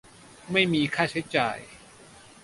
ไม่มีค่าใช้จ่าย